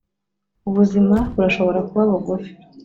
ubuzima burashobora kuba bugufi,